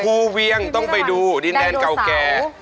เวียงต้องไปดูดินแดนเก่าแก่